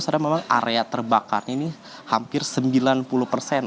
saat ini memang area terbakar ini hampir sembilan puluh persen